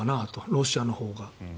ロシアのほうが。